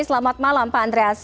selamat malam pak andreas